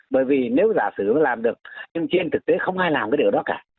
bởi vì nếu giả sử nó làm được nhưng trên thực tế không ai làm cái điều đó cả